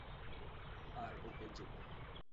R open chequebook.